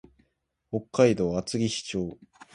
北海道厚岸町